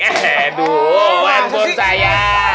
eh dih handphone saya